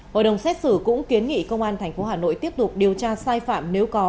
hội đồng xét xử cũng kiến nghị công an tp hà nội tiếp tục điều tra sai phạm nếu có